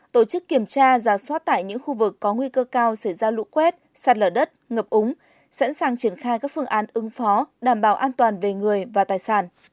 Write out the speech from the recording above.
tổ chức kiểm tra giả soát tại những khu vực có nguy cơ cao xảy ra lũ quét sạt lở đất ngập úng sẵn sàng triển khai các phương án ứng phó đảm bảo an toàn về người và tài sản